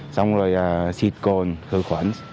xong rồi xịt cồn khử khuẩn